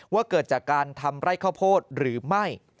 ว่าเกิดจากการทำไร่ข้าวโพดหรือไม่